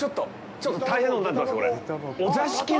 ちょっと大変なことになってますよ、これ！